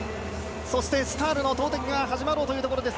そしてスタールの投てきが始まろうというところ。